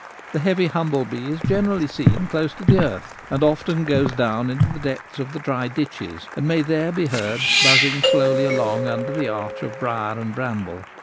The heavy humble bee is generally seen close to the earth, and often goes down into the depths of the dry ditches, and may there be heard buzzing slowly along under the arch of briar and bramble.